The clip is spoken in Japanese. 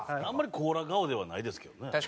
あんまりコーラ顔ではないですけどね。